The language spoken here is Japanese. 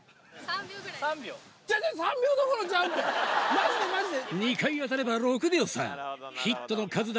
マジでマジで！